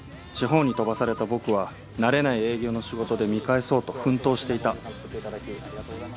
地方に飛ばされた僕は慣れない営業の仕事で見返そうと奮闘していた